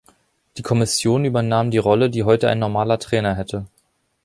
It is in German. Die Kommission übernahm die Rolle, die heute ein normaler Trainer hätte.